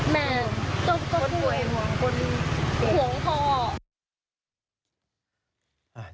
แม่ก็พูดห่วงพอ